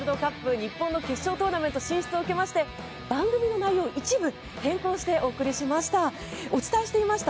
日本の決勝トーナメント進出を受けまして番組の内容を一部変更してお送りしました。